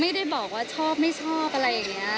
ไม่ได้บอกว่าชอบไม่ชอบอะไรอย่างนี้